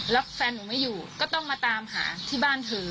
แล้วแฟนหนูไม่อยู่ก็ต้องมาตามหาที่บ้านเธอ